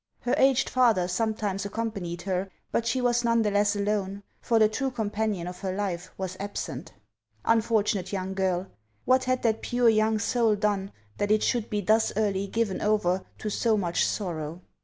Her a^ed o O father sometimes accompanied her, but she was none the less alone, for the true companion of her life was absent. Unfortunate young girl ! What had that pure young soul done that it should be thus early given over to so much sorrow